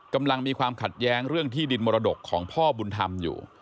กำลังมีความขัดแย้งเรื่องที่ดินมรดกของพ่อบุญธรรมอยู่